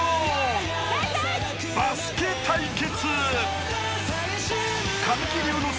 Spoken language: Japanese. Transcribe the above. ［バスケ対決］